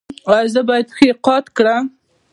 ایا زه باید پښې قات کړم؟